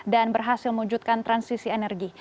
dan berhasil mewujudkan transisi energi